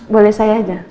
boleh saya aja